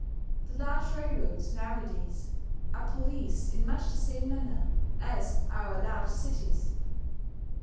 The large railroads nowadays are policed in much the same manner as are our large cities.